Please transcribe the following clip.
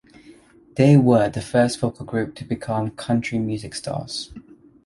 They were the first vocal group to become country music stars.